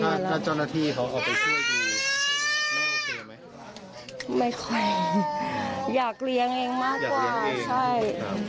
แต่ละเดือนกินอยู่กันยังไง